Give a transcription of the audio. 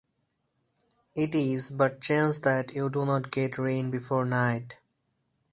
It is but chance that you do not get rain before night.